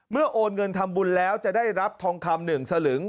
เมื่อโอนเงินทำบุญแล้วจะได้รับทองคำหนึ่งสลึง